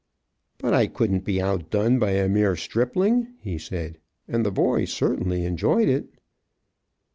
"But I couldn't be outdone by a mere stripling," he said, "and the boy certainly enjoyed it."